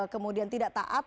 kemudian tidak taat